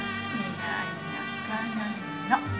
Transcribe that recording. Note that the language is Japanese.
泣かないの。